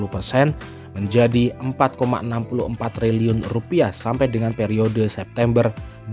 lima puluh persen menjadi rp empat enam puluh empat triliun sampai dengan periode september dua ribu dua puluh